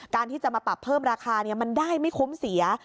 ที่จะมาปรับเพิ่มราคามันได้ไม่คุ้มเสีย